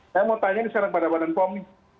saya mau tanya disana kepada badan pom